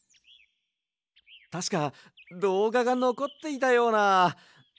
たしかどうががのこっていたような。